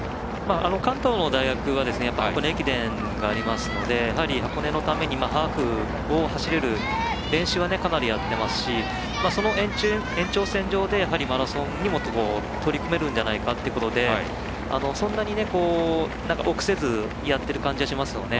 関東の大学は箱根駅伝がありますので箱根のためにハーフを走れる練習はかなりやっていますしその延長線上でやはりマラソンにも取り組めるんじゃないかってことでそんなに臆せずやっている感じはしますよね。